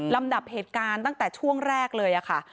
ลำดับเหตุการณ์ตั้งแต่ช่วงแรกเลยค่ะ